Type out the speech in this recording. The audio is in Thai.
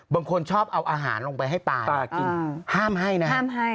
บางคนชอบเอาอาหารลงไปให้ป่าห้ามให้นะ